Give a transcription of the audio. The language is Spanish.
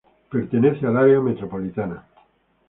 Pertenece a la provincia Metropolitana.